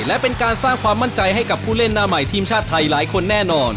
และเป็นการสร้างความมั่นใจให้กับผู้เล่นหน้าใหม่ทีมชาติไทยหลายคนแน่นอน